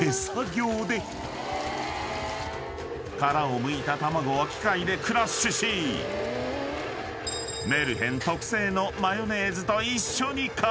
［殻をむいた卵を機械でクラッシュし「メルヘン」特製のマヨネーズと一緒にかき混ぜる］